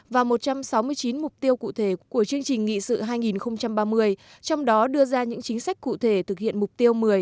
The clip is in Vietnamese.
và một trăm sáu mươi chín mục tiêu cụ thể của chương trình nghị sự hai nghìn ba mươi trong đó đưa ra những chính sách cụ thể thực hiện mục tiêu một mươi